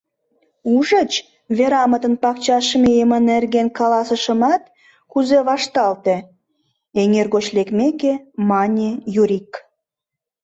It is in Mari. — Ужыч, Верамытын пакчаш мийыме нерген каласышымат, кузе вашталте, — эҥер гоч лекмеке, мане Юрик.